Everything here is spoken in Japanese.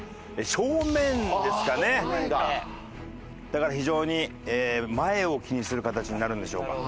だから非常に前を気にする形になるんでしょうか。